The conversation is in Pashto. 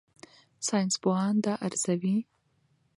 ساینسپوهان دا ارزوي.